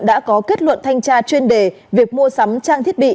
đã có kết luận thanh tra chuyên đề việc mua sắm trang thiết bị